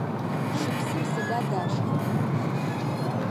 Щыпсым сыда дашхырэр?